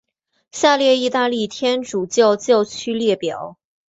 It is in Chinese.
下列意大利天主教教区列表。